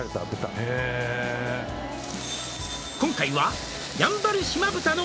「今回は」